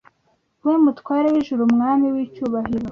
We Mutware w’ijuru, Umwami w’icyubahiro